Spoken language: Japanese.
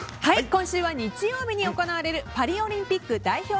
今週は日曜日に行われるパリオリンピック代表